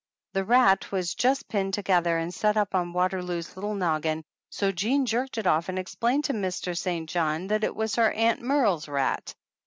The rat was just pinned together and set up on Waterloo's little noggin, so Jean jerked it off and explained to Mr. St. John that it was her Aunt Merle's rat.